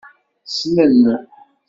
Ssnen.